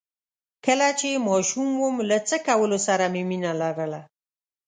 کله چې ماشوم وم له څه کولو سره مې مينه لرله؟